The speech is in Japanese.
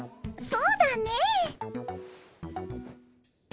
そうだね。